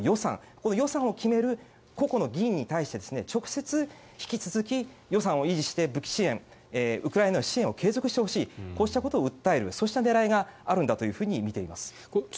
この予算を決める個々の議員に対して直接、引き続き予算を維持して武器支援ウクライナへの支援を継続してほしいこうしたことを訴えるそうした狙いがあるんだと見ています。